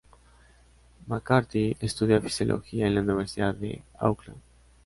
McCartney estudia fisiología en la Universidad de Auckland.